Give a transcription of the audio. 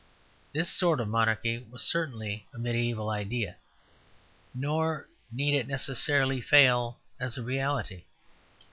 This sort of monarchy was certainly a mediæval ideal, nor need it necessarily fail as a reality.